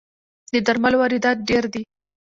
د درملو واردات ډیر دي